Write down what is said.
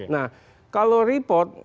nah kalau report